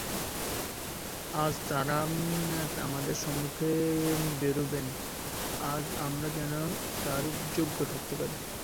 আজ তাঁরা আমাদের সম্মুখে বেরোবেন, আজ আমরা যেন তার যোগ্য থাকতে পারি।